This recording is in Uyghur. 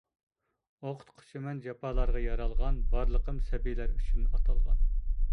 ئوقۇتقۇچىمەن جاپالارغا يارالغان، بارلىقىم سەبىيلەر ئۈچۈن ئاتالغان.